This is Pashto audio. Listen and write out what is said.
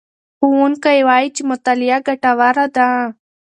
ښوونکی وایي چې مطالعه ګټوره ده.